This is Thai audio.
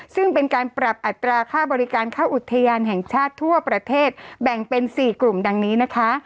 ซึ่งเป็นการปรับอัตราค่าบริการค่าอุทยานแห่งชาติทั่วประเทศแบ่งเป็น๔กลุ่มดังนี้นะคะ